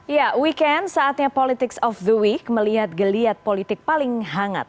ya weekend saatnya politics of the week melihat geliat politik paling hangat